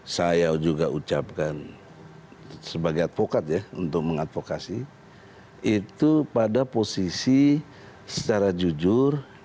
saya juga ucapkan sebagai advokat ya untuk mengadvokasi itu pada posisi secara jujur